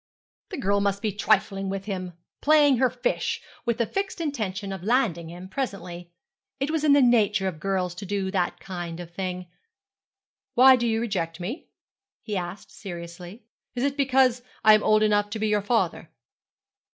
The girl must be trifling with him, playing her fish, with the fixed intention of landing him presently. It was in the nature of girls to do that kind of thing. 'Why do you reject me?' he asked seriously; 'is it because I am old enough to be your father?'